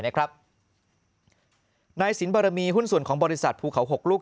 นายสินบรมีหุ้นส่วนของบริษัทภูเขา๖ลูก